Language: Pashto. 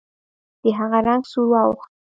د هغه رنګ سور واوښت.